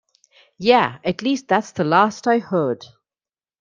Yeah, at least that's the last I heard.